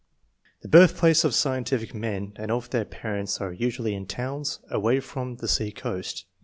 19 The birthplaces of scientific men and of their parents are usually in towns, away from the sea coast.